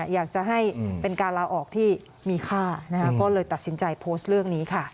อยากจะให้เป็นการลาออกที่มีค่าก็เลยตัดสินใจโพสต์เรื่องนี้ค่ะ